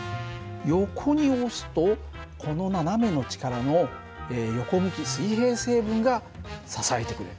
横に押すとこの斜めの力の横向き水平成分が支えてくれる。